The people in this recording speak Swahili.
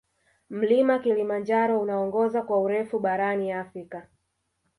mlima kilimanjaro unaongoza kwa urefu barani afrika